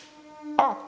あっ！